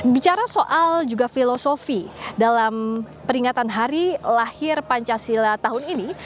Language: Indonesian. bicara soal juga filosofi dalam peringatan hari lahir pancasila tahun ini